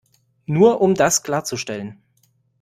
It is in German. Nur um das klarzustellen.